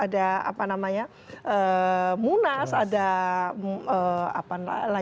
saya khawatir partai politik ini sudah tidak pro lagi pada kontestasi